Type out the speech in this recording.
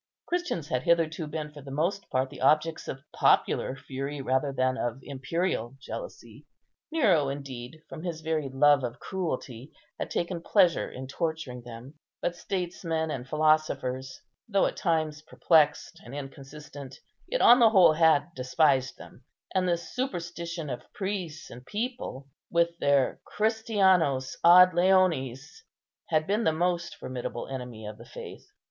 Christians had hitherto been for the most part the objects of popular fury rather than of imperial jealousy. Nero, indeed, from his very love of cruelty, had taken pleasure in torturing them: but statesmen and philosophers, though at times perplexed and inconsistent, yet on the whole had despised them; and the superstition of priests and people, with their "Christianos ad leones," had been the most formidable enemy of the faith.